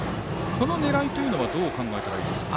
この狙いというのはどう考えたらいいですか。